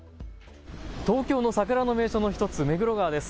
東京の桜の名所の１つ、目黒川です。